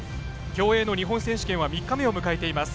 競泳の日本選手権は３日目を迎えています。